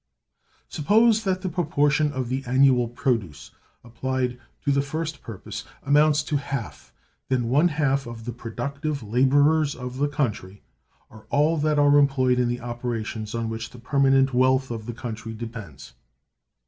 Suppose that the proportion of the annual produce applied to the first purpose amounts to half; then one half the productive laborers of the country are all that are employed in the operations on which the permanent wealth of the country depends.